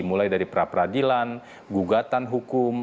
mulai dari pra peradilan gugatan hukum